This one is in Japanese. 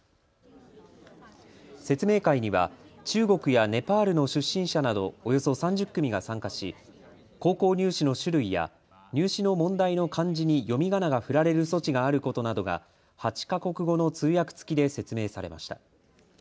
説明会には中国やネパールの出身者などおよそ３０組が参加し高校入試の種類や入試の問題の漢字に読みがなが振られる措置があることなどが８か国語の通訳付きで説明されました。